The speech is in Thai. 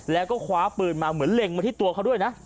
แล้วก็คว้าปืนมาเหมือนเล็งมาที่ตัวเขาด้วยนะ